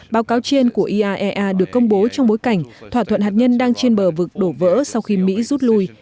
báo cáo trên của iaea được công bố trong bối cảnh thỏa thuận hạt nhân đang trên bờ vực đổ vỡ sau khi mỹ rút lui